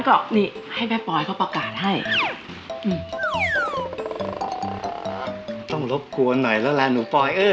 ขอบใจมากขอบใจมาก